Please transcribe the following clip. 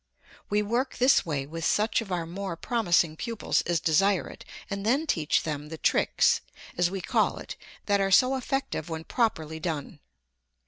We work this way with such of our more promising pupils as desire it, and then teach them the "tricks," as we call it, that are so effective when properly done.